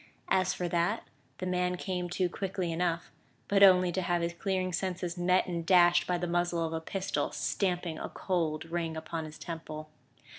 As for that, the man came to quickly enough; but only to have his clearing senses met and dashed by the muzzle of a pistol stamping a cold ring upon his temple.